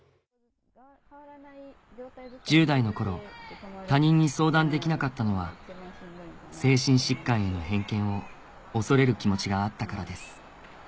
１０代の頃他人に相談できなかったのは精神疾患への偏見を恐れる気持ちがあったからです